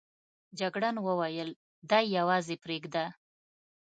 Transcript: جګړن وویل دی یوازې پرېږده.